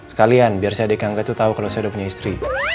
sekalian biar si adiknya angga tuh tau kalo saya udah punya istri